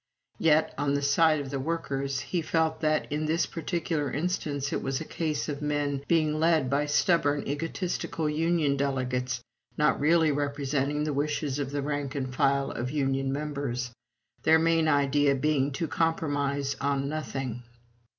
Yet, on the side of the workers, he felt that in this particular instance it was a case of men being led by stubborn egotistical union delegates not really representing the wishes of the rank and file of union members, their main idea being to compromise on nothing.